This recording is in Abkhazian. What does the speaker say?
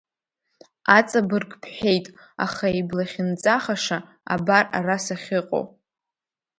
Аҵабырг бҳәеит, аха иблахьынҵахаша абар ара сахьыҟоу!